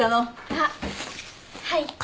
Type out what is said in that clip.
あっはい。